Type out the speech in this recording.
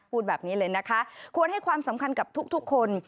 พูดแบบนี้เลยนะคะควรให้ความสำคัญกับทุกคน